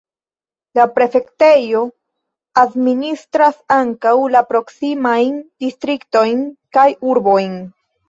La prefektejo administras ankaŭ la proksimajn distriktojn kaj urbojn.